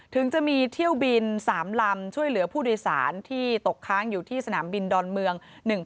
ถึงจะมีเที่ยวบิน๓ลำช่วยเหลือผู้โดยสารที่ตกค้างอยู่ที่สนามบินดอนเมือง